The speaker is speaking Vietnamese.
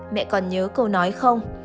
mẹ còn nhớ câu nói không